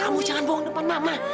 kamu jangan bawang depan mama